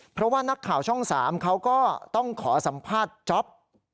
เพราะว่านักข่าวช่อง๓เขาก็ต้องขอสัมภาษณ์จ๊อป